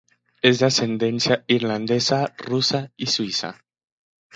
Es de ascendencia irlandesa, rusa y suiza.